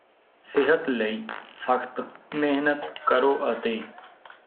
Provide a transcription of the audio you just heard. ਸਿਹਤ ਲਈ ਸਖਤ ਮਿਹਨਤ ਕਰੋ ਅਤੇ